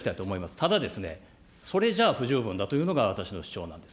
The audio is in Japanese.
ただ、それじゃあ不十分だというのが私の主張なんです。